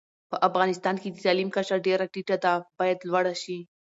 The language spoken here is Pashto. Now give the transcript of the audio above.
په افغانستان کي د تعلیم کچه ډيره ټیټه ده، بايد لوړه شي